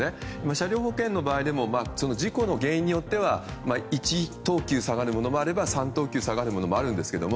車両保険の場合でも事故の原因によっては１等級下がるものがあれば３等級下がるものもあるんですけど。